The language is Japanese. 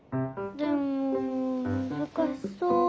でもむずかしそう。